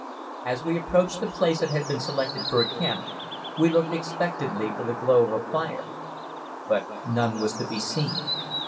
As we approached the place that had been selected for a camp, we looked expectantly for the glow of the fire, but none was to be seen.